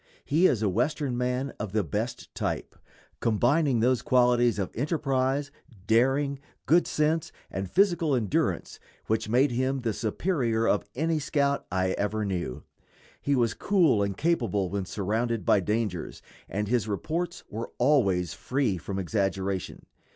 He is a Western man of the best type, combining those qualities of enterprise, daring, good sense, and physical endurance which made him the superior of any scout I ever knew. He was cool and capable when surrounded by dangers, and his reports were always free from exaggeration.